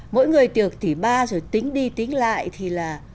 mỗi người được tỷ ba rồi tính đi tính lại thì là